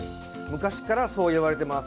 昔から、そう言われています。